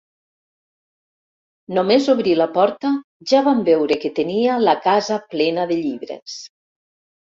Només obrir la porta ja van veure que tenia la casa plena de llibres.